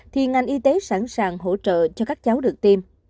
thì ngành y tế sẵn sàng hỗ trợ cho các cháu được tiêm